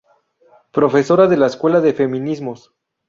Profesora de la Escuela de Feminismos.